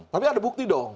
tapi ada bukti dong